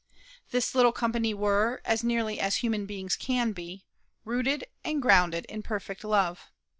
This little company were, as nearly as human beings can be, rooted and grounded in perfect love.